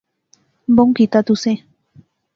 بہوں کیتا تسیں